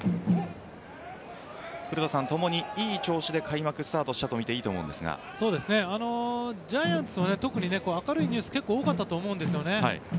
古田さん、共にいい調子で開幕スタートしたとみてジャイアンツは特に明るいニュースが結構多かったと思うんですよね。